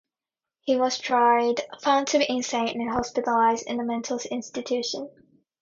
He was tried, found to be insane, and hospitalised in a mental institution.